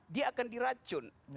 dia akan diracun